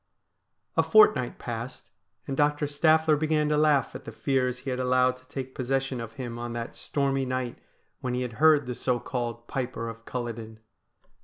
A fortnight passed, and Doctor Staffler began to laugh at the fears he had allowed to take possession of him on that stormy night when he had heard the so called Piper of Culloden.